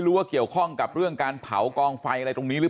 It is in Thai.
ว่าเกี่ยวข้องกับเรื่องการเผากองไฟอะไรตรงนี้หรือเปล่า